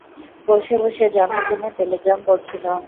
বসে বসে জন্মদিনের টেলিগ্রাম পড়ছিল।